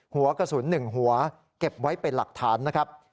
หัวกระสุน๑หัวเก็บไว้เป็นหลักฐานนะครับ